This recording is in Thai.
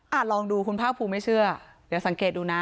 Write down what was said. ลองดูคุณภาคภูมิไม่เชื่อเดี๋ยวสังเกตดูนะ